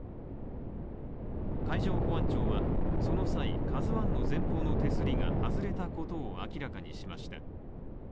海上保安庁はその際、「ＫＡＺＵ１」の前方の手すりが外れたことを明らかにしました。